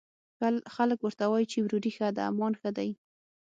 خلک ورته وايي، چې وروري ښه ده، امان ښه دی